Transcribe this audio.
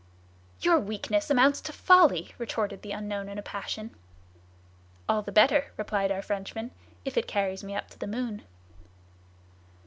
"Your weakness amounts to folly," retorted the unknown in a passion. "All the better," replied our Frenchman, "if it carries me up to the moon."